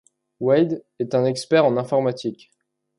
Wade est un expert en informatique.